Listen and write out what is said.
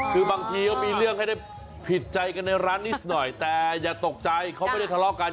คือบางทีก็มีเรื่องให้ได้ผิดใจกันในร้านนี้สักหน่อยแต่อย่าตกใจเขาไม่ได้ทะเลาะกัน